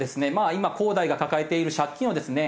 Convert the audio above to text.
今恒大が抱えている借金をですね